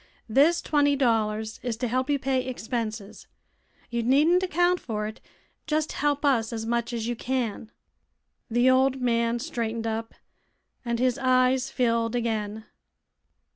This twenty dollars is to help you pay expenses. You needn't account for it; just help us as much as you can." The old man straightened up and his eyes filled again.